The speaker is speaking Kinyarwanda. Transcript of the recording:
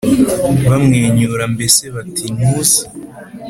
bamwenyura Mbese bati ntuzi